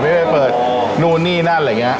ไม่ได้เปิดนู่นนี่นั่นอะไรอย่างนี้